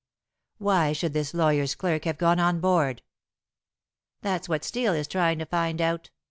"Why should this lawyer's clerk have gone on board?" "That's what Steel is trying to find out.